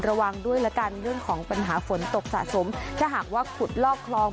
ระวังด้วยละกันเรื่องของปัญหาฝนตกสะสมถ้าหากว่าขุดลอกคลอง